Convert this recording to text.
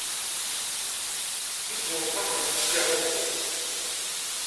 Fessus wenṭaq n tesperantot.